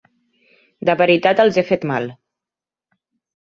De veritat els he fet mal.